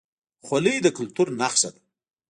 خولۍ د کلتور نښه ده